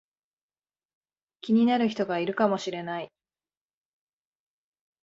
気になる人がいるかもしれない